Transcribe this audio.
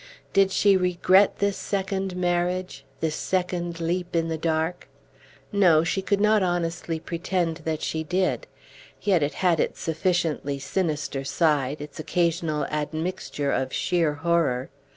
Did she regret this second marriage, this second leap in the dark? No, she could not honestly pretend that she did; yet it had its sufficiently sinister side, its occasional admixture of sheer horror.